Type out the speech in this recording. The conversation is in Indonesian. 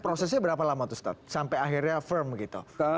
prosesnya berapa lama tuh stot sampai akhirnya firm gitu